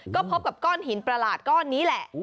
ก็พบกับก้อนหินประหลาดก้อนนี้แหละ